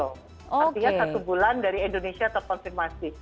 artinya satu bulan dari indonesia terkonfirmasi